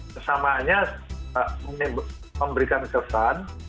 kesamaannya memberikan kesan